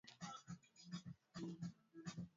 Ba mama beko na haki ya kurima bila tatizo